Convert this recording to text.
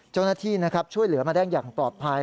เจ้านัทธีช่วยเหลือมาได้อย่างตอบภัย